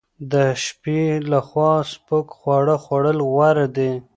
د شپې لخوا سپک خواړه خوړل غوره دي.